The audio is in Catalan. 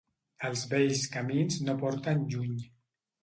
Els bells camins no porten lluny.